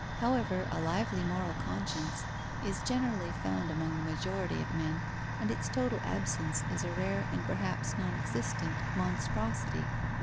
However, a lively moral conscience is generally found among the majority of men, and its total absence is a rare and perhaps non existent monstrosity.